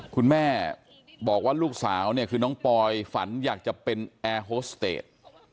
คุณแม่บอกว่าลูกสาวเนี่ยคือน้องปอยฝันอยากจะเป็นแอร์โฮสเตจ